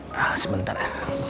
nah sebentar ya